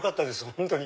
本当に。